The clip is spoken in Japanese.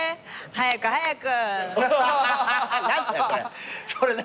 「早く早く」